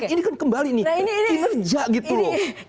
ini kan kembali nih kinerja gitu loh